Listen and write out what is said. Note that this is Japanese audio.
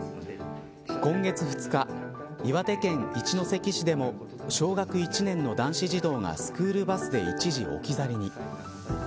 今月２日岩手県一関市でも小学１年の男子児童がスクールバスで一時置き去りに。